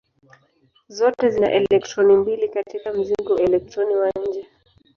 Zote zina elektroni mbili katika mzingo elektroni wa nje.